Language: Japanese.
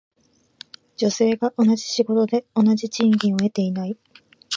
女性が同じ仕事で同じ賃金を得ていない。